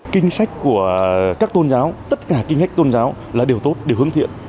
kinh sách của các tôn giáo tất cả kinh sách tôn giáo là điều tốt điều hướng thiện